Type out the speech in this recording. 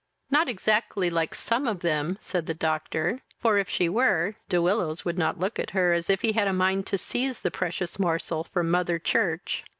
"Not exactly like some of them, (said the doctor;) for, if she were, De Willows would not look at her as if he had a mind to seize the precious morsel from mother church."